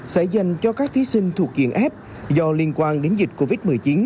sẽ dành cho các thí sinh thuộc diện f do liên quan đến dịch covid một mươi chín